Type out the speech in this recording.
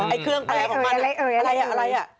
อ๋ออะไรอะไรอะไร